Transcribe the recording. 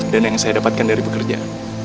dan yang saya dapatkan dari pekerja